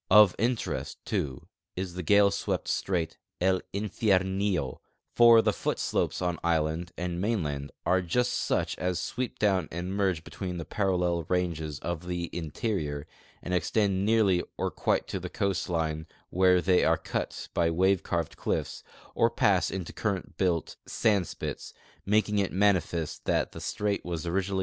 Of interest, too, is the gale swept strait El Infiernillo, for the foot slo})es on island and mainland are just such as sweep down and merge between the parallel ranges of the interior, and extend nearly or quite to the coastline where they are cut by wave carved cliffs or pass into current built sand spits, making 'it manifest that the strait was original!